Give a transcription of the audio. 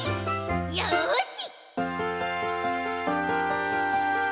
よし！